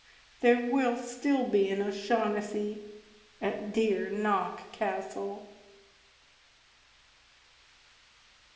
There will still be an O'Shaughnessy at dear Knock Castle."